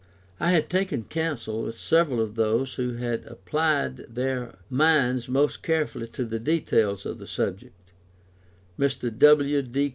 I had taken counsel with several of those who had applied their minds most carefully to the details of the subject Mr. W.D.